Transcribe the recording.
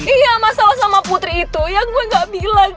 iya masalah sama putri itu yang gue gak bilang